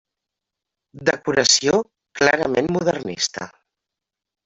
Decoració clarament modernista.